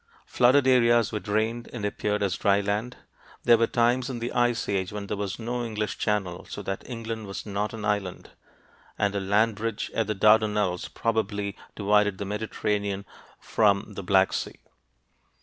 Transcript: Flooded areas were drained and appeared as dry land. There were times in the Ice Age when there was no English Channel, so that England was not an island, and a land bridge at the Dardanelles probably divided the Mediterranean from the Black Sea.